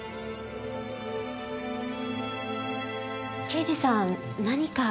刑事さん何か？